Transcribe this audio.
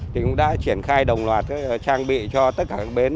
thì cũng đã triển khai đồng loạt trang bị cho tất cả các bến